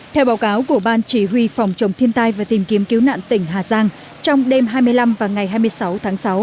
theo báo cáo của ban chỉ huy phòng chống thiên tai và tìm kiếm cứu nạn tỉnh hà giang trong đêm hai mươi năm và ngày hai mươi sáu tháng sáu